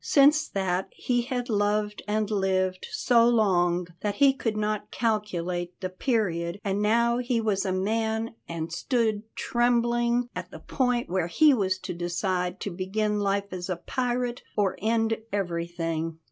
Since that he had loved and lived so long that he could not calculate the period, and now he was a man and stood trembling at the point where he was to decide to begin life as a pirate or end everything.